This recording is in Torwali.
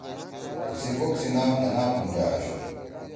تیِسی بوپ سی نام جناح پونجا آشُو